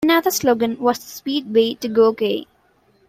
Another slogan was The sweet way to go gay!